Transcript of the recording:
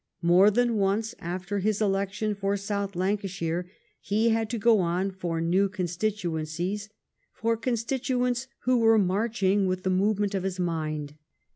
More than once after his election for South Lancashire he had to go on for new constituencies — for con stituents who were marching with the movement of his mind.